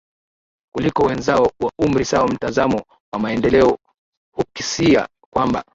kuliko wenzao wa umri sawa Mtazamo wa maendeleo hukisia kwamba